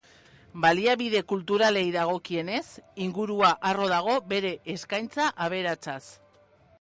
Baliabide kulturalei dagokienez, ingurua harro dago bere eskaintza aberatsaz.